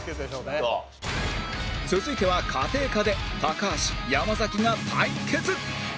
続いては家庭科で高橋山崎が対決